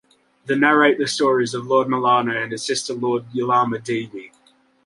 The narrate the stories of Lord Mallana and his sister Lord Yellama Devi.